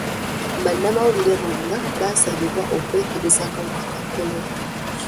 Bannamawulire bonna baasabibwa okwekebeza akawuka ka kolona.